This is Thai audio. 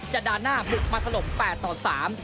จะด่านหน้าบุกมัธลม๘๓